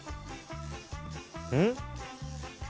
うん？